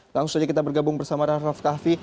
langsung saja kita bergabung bersama raff raff kahvi